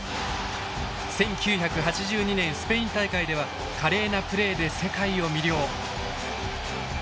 １９８２年スペイン大会では華麗なプレーで世界を魅了。